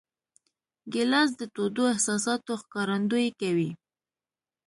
ګیلاس د تودو احساساتو ښکارندویي کوي.